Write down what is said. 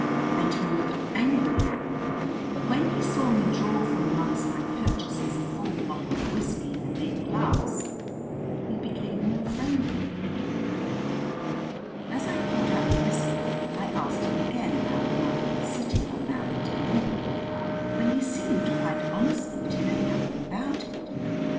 And he looked angrily at me; but when he saw me draw from amongst my purchases a full bottle of whiskey and a big glass he became more friendly. As I poured out the whiskey I asked him again about the marble city on Mallington Moor but he seemed quite honestly to know nothing about it.